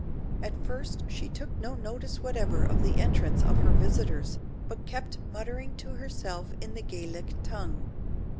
At first she took no notice whatever of the entrance of her visitors, but kept muttering to herself in the Gaelic tongue.